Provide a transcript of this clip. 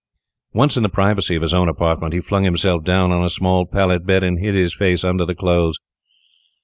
Once in the privacy of his own apartment, he flung himself down on a small pallet bed, and hid his face under the clothes.